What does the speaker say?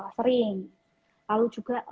sering lalu juga